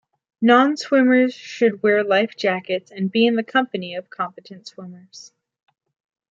Non-swimmers should wear life jackets and be in the company of competent swimmers.